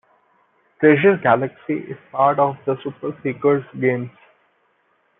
Treasure Galaxy is part of the Super Seekers games.